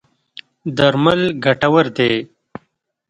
درمل ګټور دی.